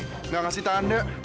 terus gak ngasih tanda